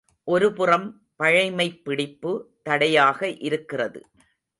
ஒருபுறம் பழைமைப்பிடிப்பு தடையாக இருக்கிறது.